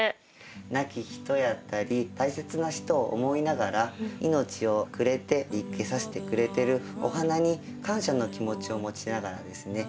亡き人やったり大切な人を思いながら命をくれて生けさせてくれてるお花に感謝の気持ちを持ちながらですね